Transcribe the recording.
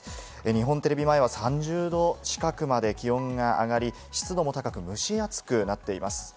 日本テレビ前は３０度近くまで気温が上がり、湿度も高く、蒸し暑くなっています。